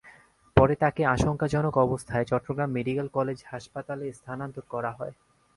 পরে তাঁকে আশঙ্কাজনক অবস্থায় চট্টগ্রাম মেডিকেল কলেজ হাসপাতালে স্থানান্তর করা হয়।